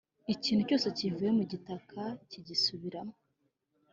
Ikintu cyose kivuye mu gitaka, kigisubiramo,